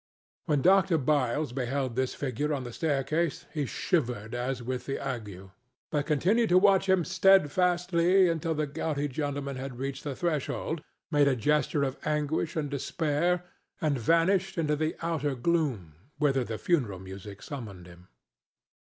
When Dr. Byles beheld this figure on the staircase, he shivered as with an ague, but continued to watch him steadfastly until the gouty gentleman had reached the threshold, made a gesture of anguish and despair and vanished into the outer gloom, whither the funeral music summoned him.